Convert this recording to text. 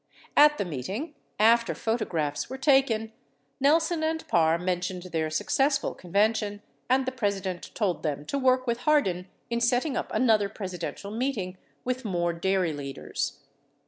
54 At the meeting, after photographs were taken, Nelson and Parr mentioned their successful convention, and the President told them to work with Hardin in setting up another Presidential meeting with more dairy leaders.